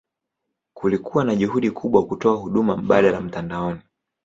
Kulikuwa na juhudi kubwa kutoa huduma mbadala mtandaoni.